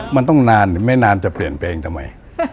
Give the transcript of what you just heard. มันต้องนานหรือไม่นานจะเปลี่ยนเพลงทำไม